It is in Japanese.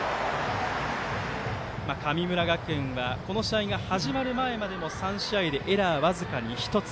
神村学園はこの試合が始まる前までの３試合でエラー僅かに１つ。